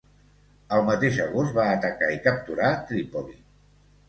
El mateix agost va atacar i capturar Trípoli.